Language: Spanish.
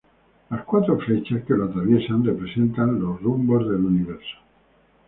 Las cuatro flechas que lo atraviesan, representan los rumbos del Universo.